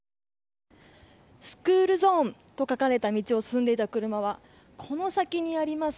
スクールゾーンと書かれた道を進んでいた車はこの先にあります